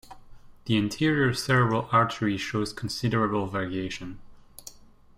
The anterior cerebral artery shows considerable variation.